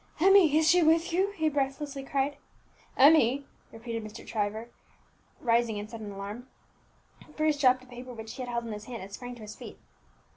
"Emmie is she with you?" he breathlessly cried. "Emmie!" repeated Mr. Trevor, rising in sudden alarm. Bruce dropped the paper which he had held in his hand, and sprang to his feet.